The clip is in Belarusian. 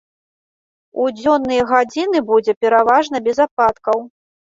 У дзённыя гадзіны будзе пераважна без ападкаў.